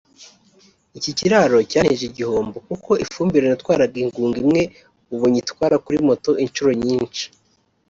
Iki kiraro cyanteje igihombo kuko ifumbire natwaraga ingunga imwe ubu nyitwara kuri moto inshuro nyinshi